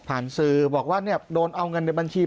สื่อบอกว่าเนี่ยโดนเอาเงินในบัญชี